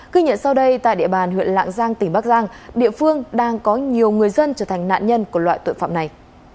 ghi nhận sau đây tại địa bàn huyện lạng giang tỉnh bắc giang địa phương đang có nhiều người dân trở thành nạn nhân của loại tội phạm này